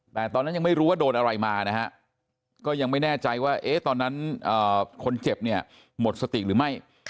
แต่ตอนนั้นยังไม่รู้ว่าโดนอะไรมานะฮะก็ยังไม่แน่ใจว่าตอนนั้นคนเจ็บเนี่ยหมดสติหรือไม่